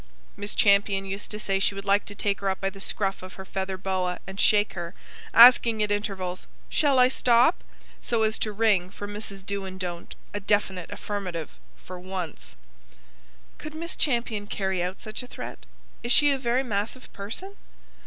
Miss Champion used to say she would like to take her up by the scruff of her feather boa, and shake her, asking at intervals: 'Shall I stop?' so as to wring from Mrs. Do and don't a definite affirmative, for once." "Could Miss Champion carry out such a threat? Is she a very massive person?"